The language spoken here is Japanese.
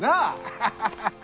アハハハ！